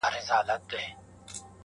پر بل اچوي او ځان سپينوي هڅه،